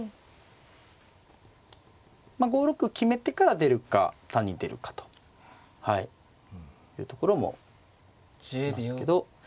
まあ５六決めてから出るか単に出るかとはいいうところもありますけど。